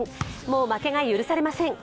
もう負けが許されません。